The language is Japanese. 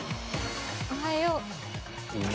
おはよう。